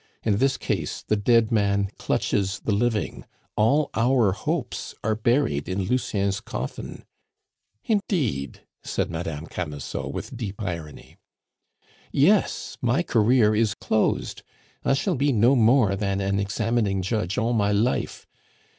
In this case the dead man clutches the living. All our hopes are buried in Lucien's coffin." "Indeed?" said Madame Camusot, with deep irony. "Yes, my career is closed. I shall be no more than an examining judge all my life.